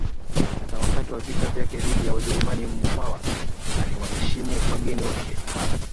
Hata wakati wa vita vyake dhidi ya Wajerumani Mkwawa aliwaheshimu wageni wake h